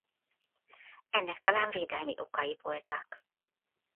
Ennek talán védelmi okai voltak.